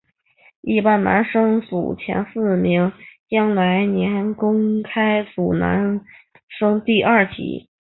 一般男生组前四名将来年公开组男生第二级。